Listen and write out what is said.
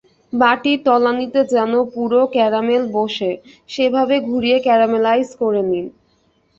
বাটির তলানীতে যেন পুরো ক্যারামেল বসে, সেভাবে ঘুরিয়ে ক্যারামেলাইজ করে নিন।